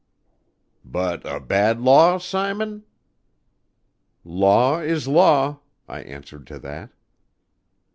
"But a bad law, Simon?" "Law is law," I answered to that.